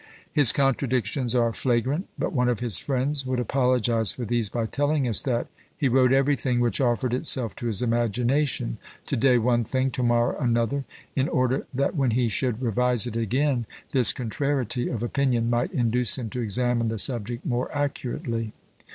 His contradictions are flagrant; but one of his friends would apologise for these by telling us that "He wrote everything which offered itself to his imagination; to day one thing, to morrow another, in order that when he should revise it again, this contrariety of opinion might induce him to examine the subject more accurately."